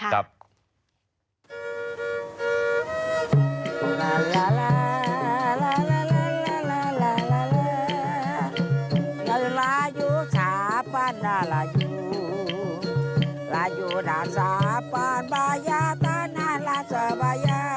รายุนาสาบายาตานานลาสาบายา